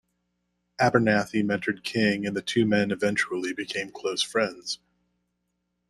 Abernathy mentored King and the two men eventually became close friends.